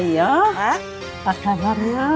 yoyoh apa kabarnya